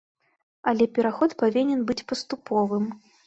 Але пераход павінен быць паступовым.